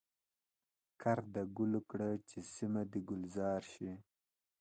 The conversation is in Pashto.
کرد د ګلو کړه چي سیمه د ګلزار شي.